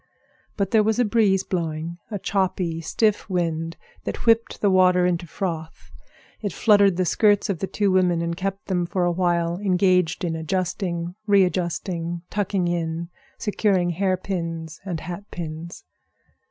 But there was a breeze blowing, a choppy, stiff wind that whipped the water into froth. It fluttered the skirts of the two women and kept them for a while engaged in adjusting, readjusting, tucking in, securing hair pins and hat pins.